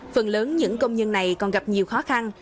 phần lớn những công nhân này còn gặp nhiều khó khăn